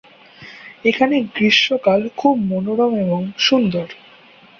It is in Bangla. এখানে গ্রীষ্মকাল খুব মনোরম এবং সুন্দর।